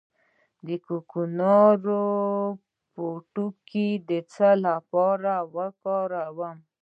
د کوکنارو پوټکی د څه لپاره وکاروم؟